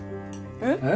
えっ？